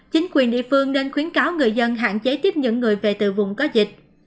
chính quyền địa phương nên khuyến cáo người dân hạn chế tiếp những người về từ vùng có dịch